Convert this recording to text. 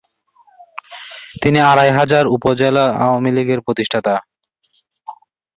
তিনি আড়াইহাজার উপজেলা আওয়ামীলীগের প্রতিষ্ঠাতা।